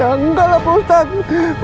ya enggak lah pak ustadz